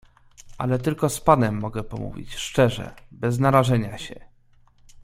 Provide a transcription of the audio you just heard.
"Ale tylko z panem mogę pomówić szczerze, bez narażenia się."